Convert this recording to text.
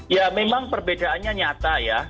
ya memang perbedaannya nyata ya